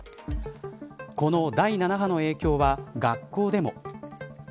この第７波の影響は学校でも。